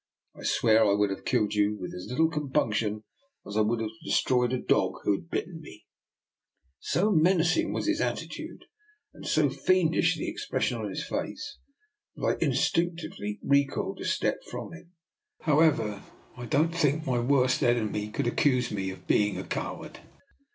I swear I would have killed you with as little compunction as I would have destroyed a dog who had bitten me." So menacing was his attitude, and so fiend ish the expression on his face, that I instinc DR. NIKOLA'S EXPERIMENT. 203 lively recoiled a step from him, and yet I don't think my worst enemy could accuse me of being a coward.